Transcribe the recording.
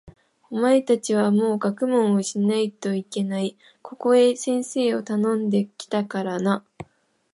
お前たちはもう学問をしないといけない。ここへ先生をたのんで来たからな。